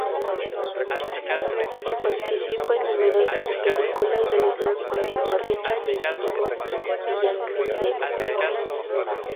Y participa en numerosas películas realizadas por Adolfo Arrieta, James Ivory o Jacques Demy.